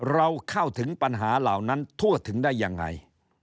เราเข้าถึงปัญหาเหล่านั้นทั่วถึงได้ยังไง